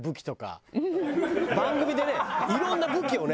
番組でねいろんな武器をね